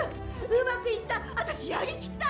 うまくいった。